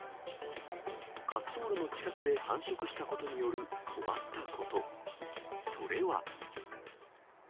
滑走路の近くで繁殖したことによる困ったこと、それは。